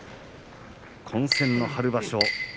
混戦の春場所。